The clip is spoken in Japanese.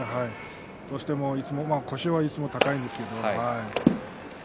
どうしても腰はいつも高いんですけどね。